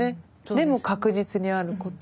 でも確実にあること。